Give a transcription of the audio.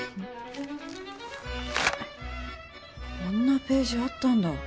こんなページあったんだ。